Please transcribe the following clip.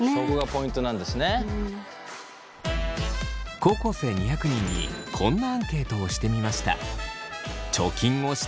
高校生２００人にこんなアンケートをしてみました。